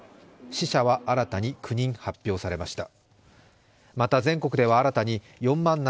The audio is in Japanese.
死者は新たに９人発表されました。